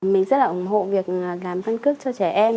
mình rất là ủng hộ việc làm căn cước cho trẻ em